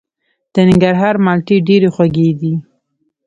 د ننګرهار مالټې ډیرې خوږې دي.